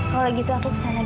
kalau gitu aku kesana dulu ya